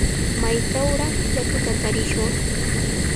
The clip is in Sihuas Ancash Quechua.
¿Maytrawraq yakuta tarishwan?